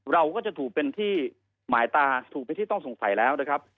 เราก็จะถูกเป็นที่หมายตาถูกเป็นที่ต้องสงสัยแล้วนะครับ